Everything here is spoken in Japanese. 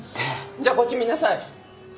じゃあこっち見なさい。